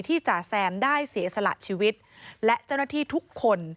จ่าแซมได้เสียสละชีวิตและเจ้าหน้าที่ทุกคน